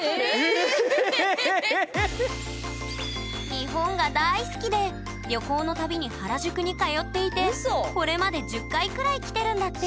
日本が大好きで旅行の度に原宿に通っていてこれまで１０回くらい来てるんだって！